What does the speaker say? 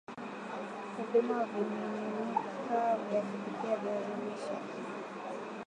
kupima vimiminika vya kupikia viazi lishe